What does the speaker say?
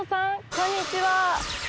こんにちは。